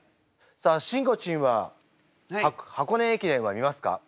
さあしんごちんは箱根駅伝は見ますか？